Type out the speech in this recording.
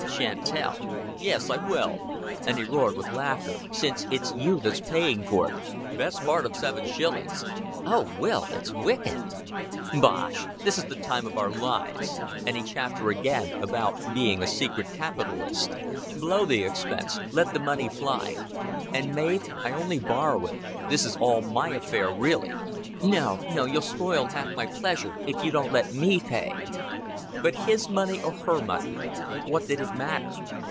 "Shan't tell. Yes, I will," and he roared with laughter, "since it's you that's paying for it. Best part of seven shillings." "Oh, Will, it's wicked!" "Bosh! This is the time of our lives;" and he chaffed her again about being a secret capitalist. "Blow the expense. Let the money fly. And, Mav, I on'y borrow it. This is all my affair really." "No, no. You'll spoil half my pleasure if you don't let me pay." But his money or her money what did it matter?